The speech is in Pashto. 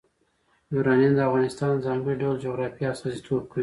یورانیم د افغانستان د ځانګړي ډول جغرافیه استازیتوب کوي.